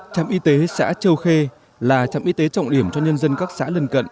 trạm y tế xã châu khê là trạm y tế trọng điểm cho nhân dân các xã lần cận